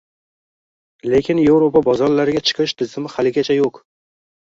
Lekin Yevropa bozorlariga chiqish tizimi haligacha yo‘q.